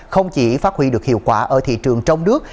không chỉ phát huy được hiệu quả ở thị trường trong nước